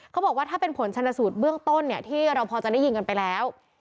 เขาบอกว่าถ้าเป็นผลชนสูตรเบื้องต้นเนี่ยที่เราพอจะได้ยินกันไปแล้ว